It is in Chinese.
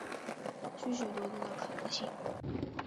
许许多多的可能性